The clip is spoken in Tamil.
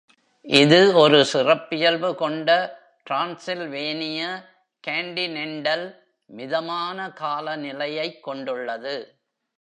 இது ஒரு சிறப்பியல்பு கொண்ட டிரான்சில்வேனிய கான்டினெண்டல் மிதமான காலநிலையைக் கொண்டுள்ளது.